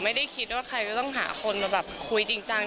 ไม่ได้คิดว่าใครก็ต้องหาคนมาแบบคุยจริงจัง